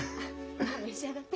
まあ召し上がって。